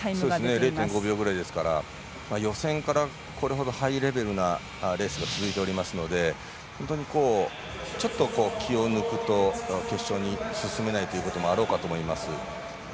０．５秒くらいですから予選からこれほどハイレベルなレースが続いておりますので本当にちょっと気を抜くと決勝に進めないこともあろうかと思います。